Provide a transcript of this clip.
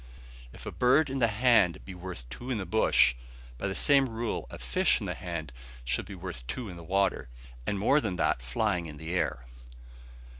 If a bird in the hand be worth two in the bush, by the same rule a fish in the hand should be worth two in the water, and more than that number flying in the air.